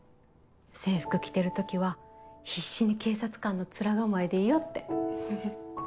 「制服着てる時は必死に警察官の面構えでいよう」って。